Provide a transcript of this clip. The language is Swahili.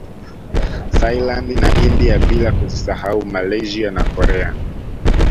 Thailand na India bila kuzisahau Malaysia na Korea